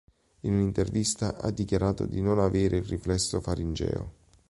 In un'intervista ha dichiarato di non avere il riflesso faringeo.